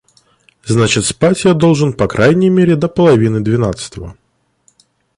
Значит, спать я должен по крайней мере до половины двенадцатого.